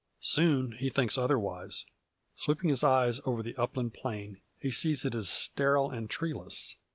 Soon, he thinks otherwise. Sweeping his eyes over the upland plain, he sees it is sterile and treeless.